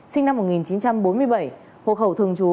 sinh năm một nghìn chín trăm bốn mươi bảy hộ khẩu thường trú